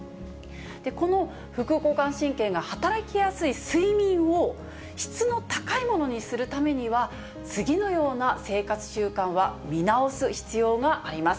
この副交感神経が働きやすい睡眠を質の高いものにするためには、次のような生活習慣は見直す必要があります。